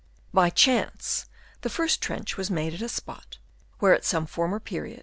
By chance the first trench was made at a spot where at some former period, * S.